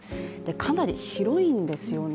かなり広いんですよね。